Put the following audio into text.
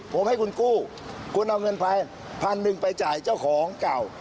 ผมให้คุณกู้คุณเอาเงินภัย๑๐๐๐บาทไปจ่ายเจ้าของเก่า